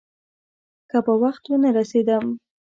که په وخت ونه رسېدم.